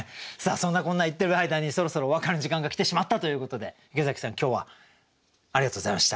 そんなこんな言ってる間にそろそろお別れの時間が来てしまったということで池崎さん今日はありがとうございました。